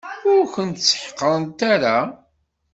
Ur kent-ssḥeqrent ara.